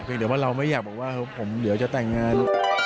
เพราะฉะนั้นเราไม่อยากบอกว่าผมเดี๋ยวจะแต่งงาน